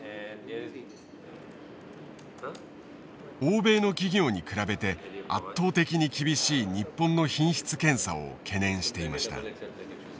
欧米の企業に比べて圧倒的に厳しい日本の品質検査を懸念していました。